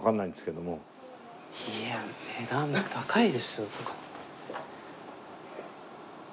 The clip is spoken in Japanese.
いや値段高いですよ。